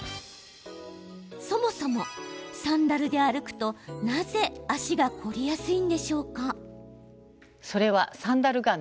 そもそもサンダルで歩くと、なぜ足が凝りやすいんでしょうか？